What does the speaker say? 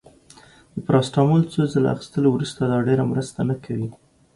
د پاراسټامول څو ځله اخیستلو وروسته، دا ډیره مرسته نه کوي.